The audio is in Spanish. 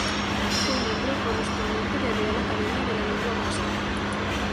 Fue miembro correspondiente de Real Academia de la Lengua Vasca.